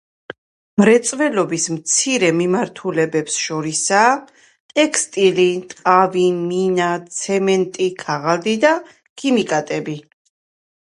მრეწველობის მცირე მიმართულებებს შორისაა ტექსტილი, ტყავი, მინა, ცემენტი, ქაღალდი და ქიმიკატები.